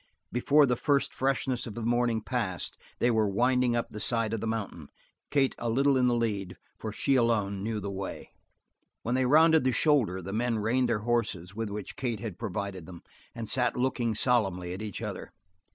Before the first freshness of the morning passed they were winding up the side of the mountain, Kate a little in the lead, for she alone knew the way. Where they rounded the shoulder, the men reined the horses with which Kate had provided them and sat looking solemnly at each other.